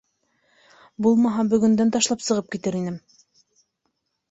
Булмаһа, бөгөндән ташлап сығып китер инем!